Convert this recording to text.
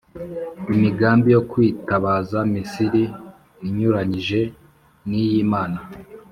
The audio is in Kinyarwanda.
Imigambi yo kwitabaza Misiri inyuranyije n’iy’Imana